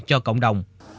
cho cộng đồng